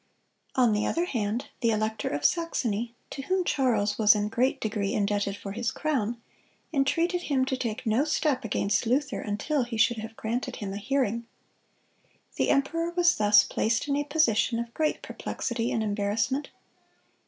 On the other hand, the elector of Saxony, to whom Charles was in great degree indebted for his crown, entreated him to take no step against Luther until he should have granted him a hearing. The emperor was thus placed in a position of great perplexity and embarrassment.